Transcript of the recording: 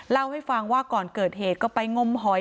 เล่าให้ฟังว่าก่อนเกิดเหตุก็ไปงมหอย